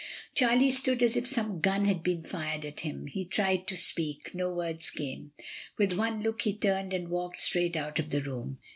Charlie stood as if some gun had been fired at him; he tried to speak; no words came. With one look he turned and walked straight out of the room.